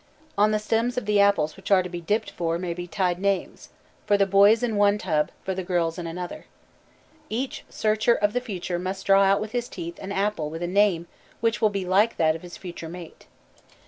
On the stems of the apples which are to be dipped for may be tied names; for the boys in one tub, for the girls in another. Each searcher of the future must draw out with his teeth an apple with a name which will be like that of his future mate.